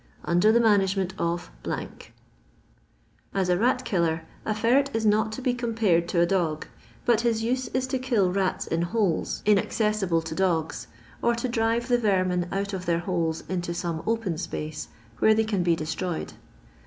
Under the Management of As a rat killer, a ferret is not to be compared to a dog; but his use is to kill rats in holesy LOITDON LABOUR AND THE LONDON POOR 67 inaeeenible to dogs, or to drire the rermin out of their holes into some open space, where they can be destroyed.